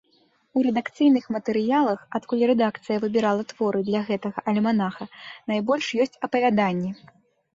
У рэдакцыйных матэрыялах, адкуль рэдакцыя выбірала творы для гэтага альманаха, найбольш ёсць апавяданні.